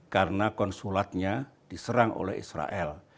karena konsulatnya diserang oleh israel